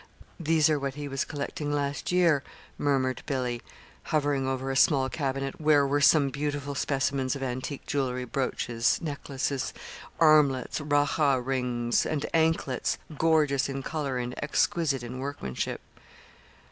"These are what he was collecting last year," murmured Billy, hovering over a small cabinet where were some beautiful specimens of antique jewelry brooches, necklaces, armlets, Rajah rings, and anklets, gorgeous in color and exquisite in workmanship.